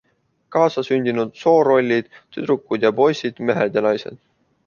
Kaasasündinud soorollid - tüdrukud ja poisid, mehed ja naised.